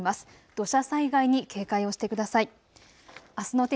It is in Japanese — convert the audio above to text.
土砂災害に警戒をしてください。